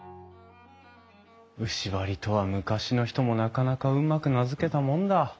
牛梁とは昔の人もなかなかうまく名付けたもんだ。